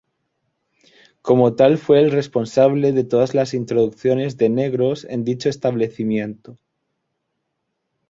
Como tal fue el responsable de todas las introducciones de negros en dicho establecimiento.